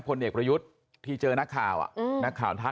พลเอกประยุทธ์ที่เจอนักข่าวอะ